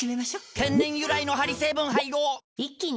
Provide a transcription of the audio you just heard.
天然由来のハリ成分配合一気に！